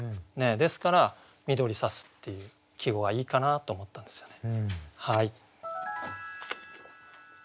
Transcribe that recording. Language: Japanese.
ですから「緑さす」っていう季語がいいかなと思ったんですよね。